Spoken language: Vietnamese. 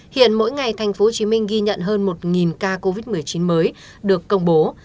hiện mỗi ngày tp hcm ghi nhận hơn một ca covid một mươi chín mới được công bố